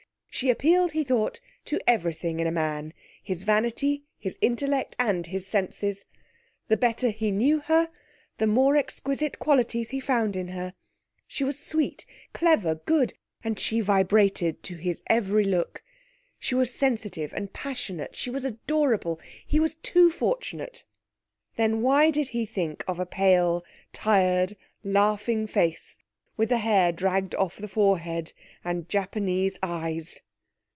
She appealed, he thought, to everything in a man his vanity, his intellect, and his senses. The better he knew her, the more exquisite qualities he found in her. She was sweet, clever, good, and she vibrated to his every look. She was sensitive, and passionate. She was adorable. He was too fortunate! Then why did he think of a pale, tired, laughing face, with the hair dragged off the forehead, and Japanese eyes?...